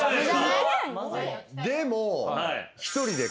でも。